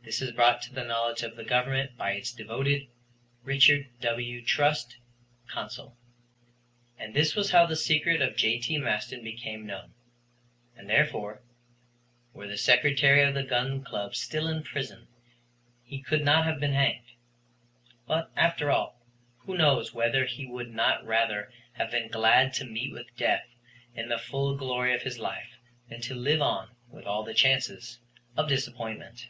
This is brought to the knowledge of the Government by its devoted "RICHARD W. TRUST, Consul" And this was how the secret of J.T. Maston became known. And therefore, were the Secretary of the Gun Club still in prison, he could not have been hanged. But, after all, who knows whether he would not rather have been glad to meet with death in the full glory of his life than to live on with all the chances of disappointment.